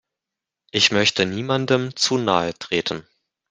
Ich möchte niemandem zu nahe treten.